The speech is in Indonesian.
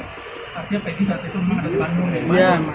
tapi peggy saat itu masih di bandung